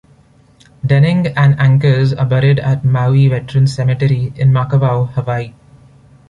Denning and Ankers are buried at Maui Veterans Cemetery in Makawao, Hawaii.